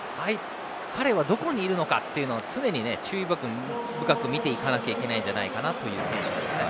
彼はどこにいるのかを常に注意深く見ていかなきゃいけないんじゃないかという選手ですね。